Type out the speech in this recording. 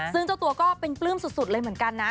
ซึ่งเจ้าตัวก็เป็นปลื้มสุดเลยเหมือนกันนะ